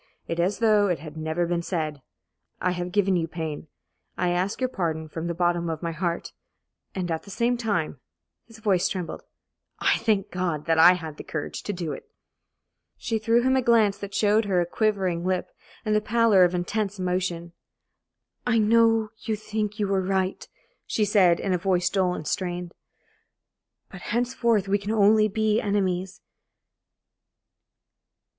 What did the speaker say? It is as though it had never been said. I have given you pain. I ask your pardon from the bottom of my heart, and, at the same time" his voice trembled "I thank God that I had the courage to do it!" She threw him a glance that showed her a quivering lip and the pallor of intense emotion. "I know you think you were right," she said, in a voice dull and strained, "but henceforth we can only be enemies.